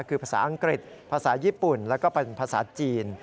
คือภาษาอังกฤษภาษาญี่ปุ่นและภาษาจีน